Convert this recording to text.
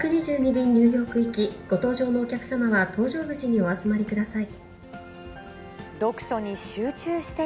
２２２便ニューヨーク行き、ご搭乗のお客様は、搭乗口にお集まりください。